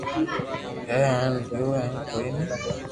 ھي ھين گيو ھي ڪوئي ني